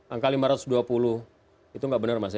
angka lima ratus dua puluh itu nggak benar mas ya